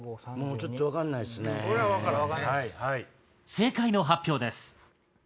正解の発表です。